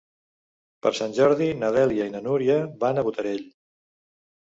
Per Sant Jordi na Dèlia i na Núria van a Botarell.